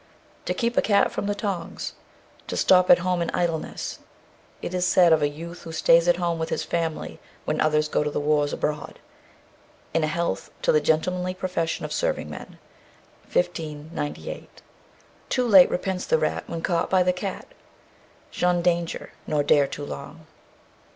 To keep a cat from the tongs. To stop at home in idleness. It is said of a youth who stays at home with his family, when others go to the wars abroad, in "A Health to the Gentlemanly Profession of Serving Men," 1598. Too late repents the rat when caught by the cat. Shun danger, nor dare too long.